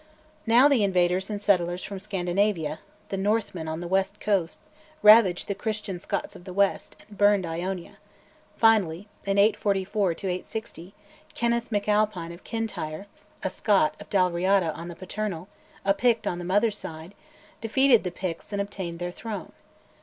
Now the invaders and settlers from Scandinavia, the Northmen on the west coast, ravaged the Christian Scots of the west, and burned Iona: finally, in 844 860, Kenneth MacAlpine of Kintyre, a Scot of Dalriada on the paternal, a Pict on the mother's side, defeated the Picts and obtained their throne.